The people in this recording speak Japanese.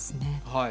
はい。